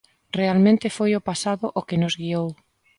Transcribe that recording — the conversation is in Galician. Realmente foi o pasado o que nos guiou.